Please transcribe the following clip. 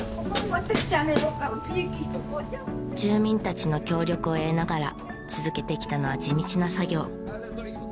住民たちの協力を得ながら続けてきたのは地道な作業。